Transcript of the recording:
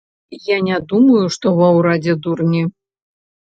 Я не думаю, што ва ўрадзе дурні.